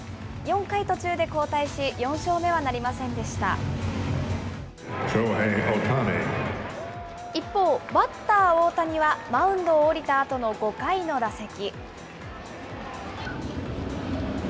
４回途中で交代し、４勝目はなり一方、バッター、大谷はマウンドを降りたあとの５回の打席。